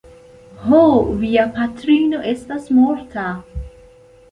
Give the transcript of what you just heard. Ho, via patrino estas morta.